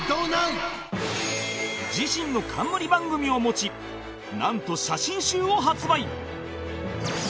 自身の冠番組を持ちなんと写真集を発売